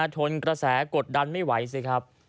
ทนกระแสกดดันไม่ไหวสิครับ